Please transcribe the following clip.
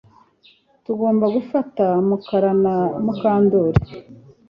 Tugomba gufata Mukara na Mukandoli